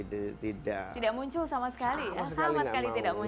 sama sekali tidak mau